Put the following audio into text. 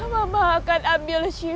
mama akan ambil sifat